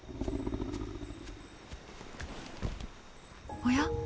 おや？